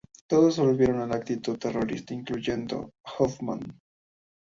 Todos volvieron a la actividad terrorista incluyendo Hofmann.